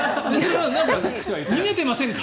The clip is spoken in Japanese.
逃げてませんか？